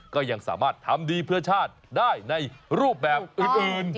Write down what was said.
ก็ยังสามารถทำดีเพื่อชาติได้ในรูปแบบอื่น